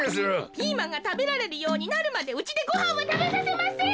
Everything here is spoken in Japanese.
ピーマンがたべられるようになるまでうちでごはんはたべさせません！